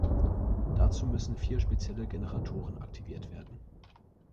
Dazu müssen vier spezielle Generatoren aktiviert werden.